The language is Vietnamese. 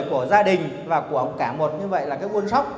của gia đình và của cả một như vậy là cái quân sóc